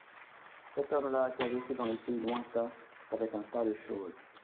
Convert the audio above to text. Cet homme-là, qui avait vécu dans les pays lointains, savait un tas de choses.